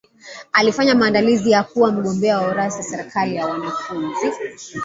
alifanya maandalizi ya kuwa mgombea wa uraisi wa serkali ya wanafunzi